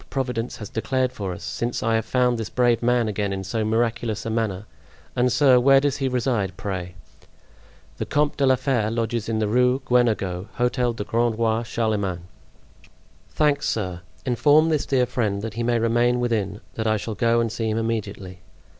Providence has declared for us, since I have found this brave man again in so miraculous a manner. And, sir, where does he reside, pray?" "The Comte de la Fere lodges in the Rue Guenegaud, Hotel du Grand Roi Charlemagne." "Thanks, sir. Inform this dear friend that he may remain within, that I shall go and see him immediately."